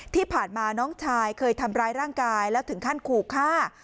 ที่ผ่านมาน้องชายเคยทำร้ายร่างกายแล้วถึงขั้นขู่ฆ่า